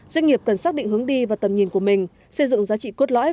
doanh nghiệp cần xác định hướng đi và tầm nhìn của mình xây dựng giá trị cốt lõi